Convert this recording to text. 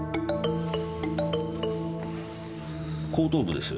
後頭部です。